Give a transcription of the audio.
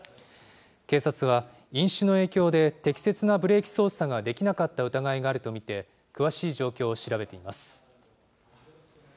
警察は、飲酒の影響で適切なブレーキ操作ができなかった疑いがあると見て、詳しい状況を調べています。